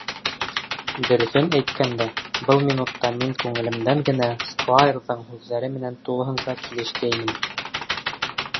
Дөрөҫөн әйткәндә, был минутта мин күңелемдән генә сквайрҙың һүҙҙәре менән тулыһынса килешкәйнем.